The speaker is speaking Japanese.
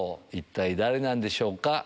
一体誰なんでしょうか？